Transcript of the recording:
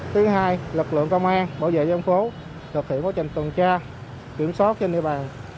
thứ hai lực lượng công an bảo vệ dân phố thực hiện quá trình tuần tra kiểm soát trên địa bàn